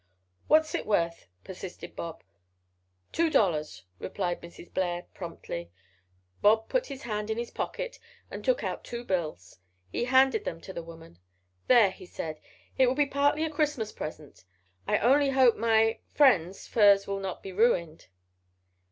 "What's it worth?" persisted Bob. "Two dollars," replied Mrs. Blair, promptly. Bob put his hand in his pocket and took out two bills. He handed them to the woman. "There," he said, "it will be partly a Christmas present. I only hope my—friend's furs will not be ruined."